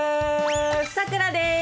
さくらです！